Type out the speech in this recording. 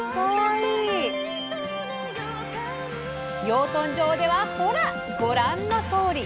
養豚場ではほらご覧のとおり！